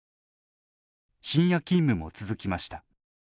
深夜勤務も続きました。